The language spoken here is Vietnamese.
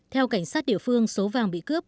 theo cảnh sát địa phương số vàng bị cướp